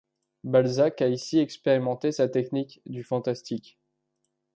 Balzac a ici expérimenté sa technique du fantastique.